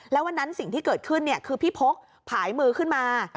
แล้ววันนั้นสิ่งที่เกิดขึ้นคือพี่พกผายมือขึ้นมา